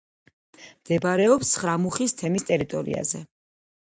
მდებარეობს ცხრამუხის თემის ტერიტორიაზე.